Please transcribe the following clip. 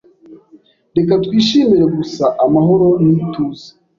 Reka twishimire gusa amahoro n'ituze.